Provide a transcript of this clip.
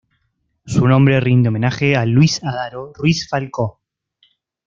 Su nombre rinde homenaje a Luis Adaro Ruiz-Falcó.